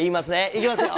いきますよ。